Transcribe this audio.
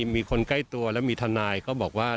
มีคนใกล้ตัวและมีทนายก็บอกว่า